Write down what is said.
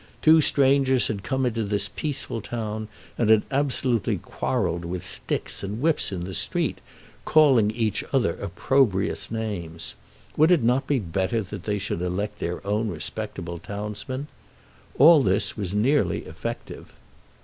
Two strangers had come into this peaceful town and had absolutely quarrelled with sticks and whips in the street, calling each other opprobrious names. Would it not be better that they should elect their own respectable townsman? All this was nearly effective.